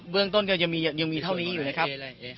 เรื่องต้นก็ยังมีเท่านี้อยู่นะครับ